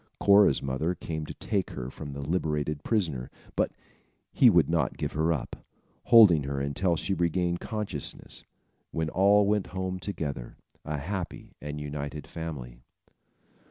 Cora's mother came to take her from the liberated prisoner; but he would not give her up, holding her until she regained consciousness, when all went home together, a happy and united family.